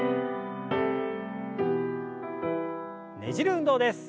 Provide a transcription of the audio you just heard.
ねじる運動です。